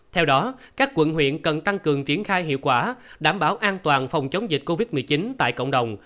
theo đó các quận huyện cần tăng cường triển khai hiệu quả đảm bảo an toàn phòng chống dịch covid một mươi chín tại cộng đồng